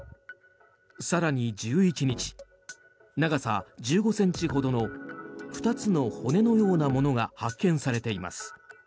更に１１日、長さ１５ｃｍほどの２つの骨のようなものが発見されています。